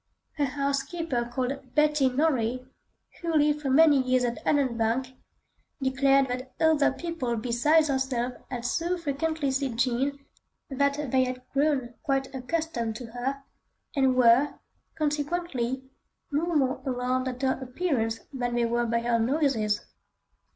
A housekeeper called Betty Norrie, who lived for many years at Allanbank, declared that other people besides herself had so frequently seen Jean that they had grown quite accustomed to her, and were, consequently, no more alarmed at her appearance than they were by her noises.